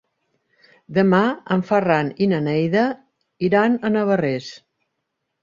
Demà en Ferran i na Neida iran a Navarrés.